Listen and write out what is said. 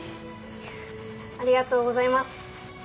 ありがとうございます。